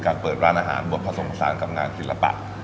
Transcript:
การเปิดร้านอาหารบวชพศงศานกำงานศิลปะ